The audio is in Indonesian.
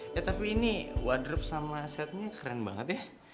ya tapi ini wadrop sama setnya keren banget ya